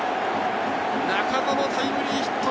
中野のタイムリーヒット。